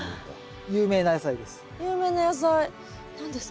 有名な野菜です。